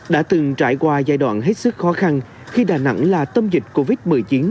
đã từng trải qua giai đoạn hết sức khó khăn khi đà nẵng là tâm dịch covid một mươi chín